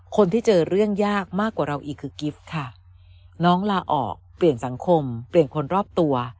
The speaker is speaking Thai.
คนที่เจอเรื่องยากมากกว่าเราอีกคือกิฟต์ค่ะน้องลาออกเปลี่ยนสังคมเปลี่ยนคนรอบตัว